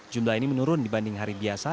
jumlah ini menurun dibanding hari biasa